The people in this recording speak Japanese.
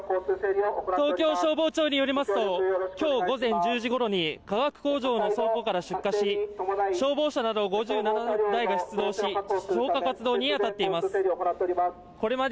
東京消防庁によりますと午前１０時ごろに化学工場の倉庫から出火し消防車など５０台が出動し消火活動にあたっています